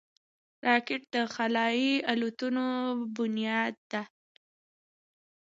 راکټ د خلایي الوتنو بنیاد ده